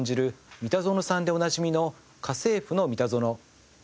三田園さんでおなじみの『家政夫のミタゾノ』。